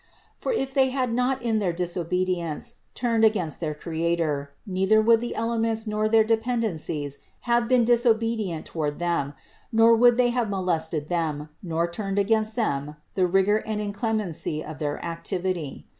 For if they had not in their disobedience turned against their Creator, neither would the elements nor their dependencies have been disobedient toward them, nor would they have molested them, nor turned against them the rigor and inclemency of their activity.